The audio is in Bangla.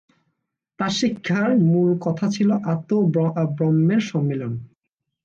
তার শিক্ষার মূল কথা ছিল আত্ম ও ব্রহ্মের সম্মিলন।